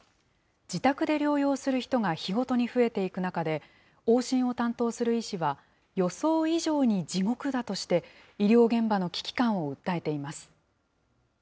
自宅で療養する人が日ごとに増えていく中で、往診を担当する医師は、予想以上に地獄だとして、医療現場の危機感を訴えています。